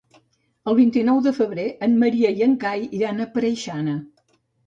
El vint-i-nou de febrer en Maria i en Cai iran a Preixana.